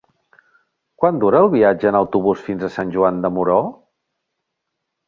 Quant dura el viatge en autobús fins a Sant Joan de Moró?